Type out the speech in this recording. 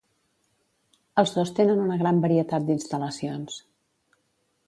Els dos tenen una gran varietat d'instal·lacions.